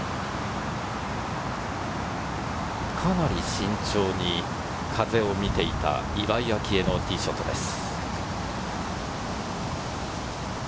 かなり慎重に風を見ていた岩井明愛のティーショットです。